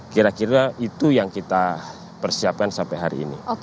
kira kira itu yang kita persiapkan sampai hari ini